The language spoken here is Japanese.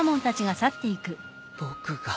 僕が。